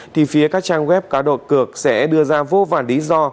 thì phía các trang web ca độ cực sẽ đưa ra vô vàn lý do